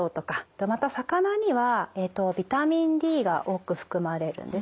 でまた魚にはビタミンＤが多く含まれるんですね。